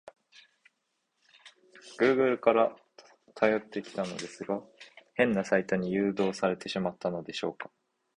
グーグルから辿ってきたのですが、変なサイトに誘導されてしまったのでしょうか？